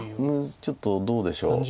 ちょっとどうでしょう。